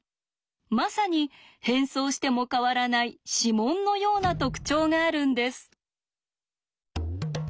まさに変装しても変わらない指紋のような特徴があるんです。